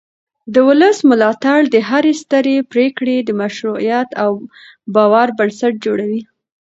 د ولس ملاتړ د هرې سترې پرېکړې د مشروعیت او باور بنسټ جوړوي